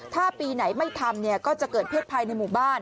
ถ้าปีไหนไม่ทำก็จะเกิดเพศภัยในหมู่บ้าน